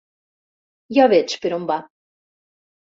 Ja veig per on va.